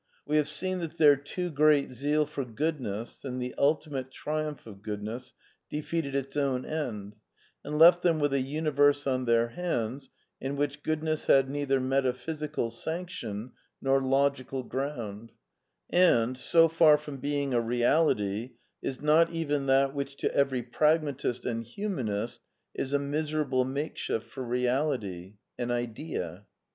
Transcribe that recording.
We have seen that their too great zeal for goodness and the ultimate triumph of goodness defeated its own end, and left them with a uni verse on their hands in which Goodness had neither meta CO physical sanction nor logical ground, and, so far from \ being a reality, is not even that which to every pragmatist and humanist is a miserable makeshift for reality — an idea.